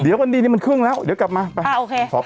เดี๋ยววันดีนี่มันครึ่งแล้วเดี๋ยวกลับมาไปอ่าโอเคขอบคุณ